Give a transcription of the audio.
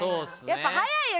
やっぱ早いよ。